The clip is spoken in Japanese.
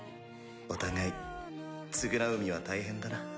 お互い償う身は大変だな。